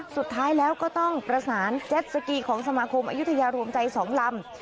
สุดท้ายแล้วก็ต้องประสานเจ็ดสกีของสมาคมอายุทยารวมใจ๒ลำ